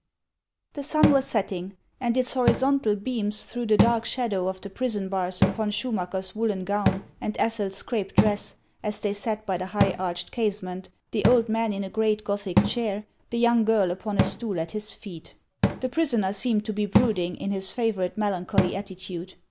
THE sun was setting, and its horizontal beams threw the dark shadow of the prison bars upon Schu macker's woollen gown and Ethel's crape dress, as they sat by the high arched casement, the old man in a great Gothic chair, the young girl upon a stool at his feet. The prisoner seemed to be brooding, in his favorite melancholy attitude.